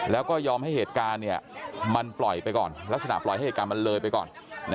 แล้วก็ยอมให้เหตุการณ์มันปล่อยไปก่อนลักษณะปล่อยให้เหตุการณ์มันเลยไปก่อน